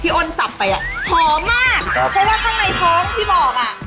อ้นสับไปอ่ะหอมมากครับเพราะว่าข้างในท้องที่บอกอ่ะ